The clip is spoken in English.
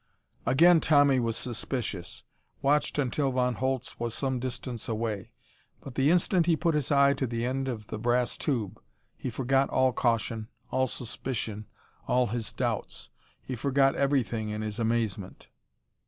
Again Tommy was suspicious; watched until Von Holtz was some distance away. But the instant he put his eye to the end of the brass tube he forgot all caution, all suspicion, all his doubts. He forgot everything in his amazement.